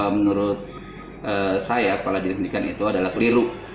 menurut saya kepala dinas pendidikan itu adalah keliru